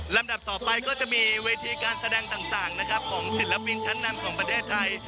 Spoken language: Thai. ดับต่อไปก็จะมีเวทีการแสดงต่างนะครับของศิลปินชั้นนำของประเทศไทย